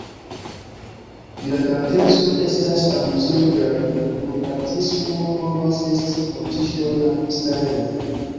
Diletanteco estas amuzilo de la vivo, nur artismo povas esti por ĝi ŝtona starejo.